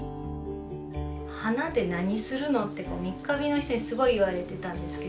「花で何するの？」って三ヶ日の人にすごい言われてたんですけど。